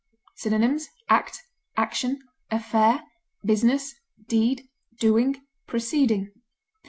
Synonyms: act, action, affair, business, deed, doing, proceeding.